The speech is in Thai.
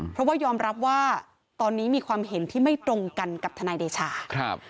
เพราะว่ายอมรับว่าตอนนี้มีความเห็นที่ไม่ตรงกันกับทนายเดชาครับ